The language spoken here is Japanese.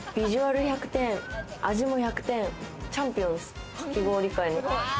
ビジュアル１００点、味も１００点、チャンピオンです。